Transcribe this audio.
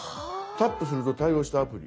「タップすると対応したアプリ」。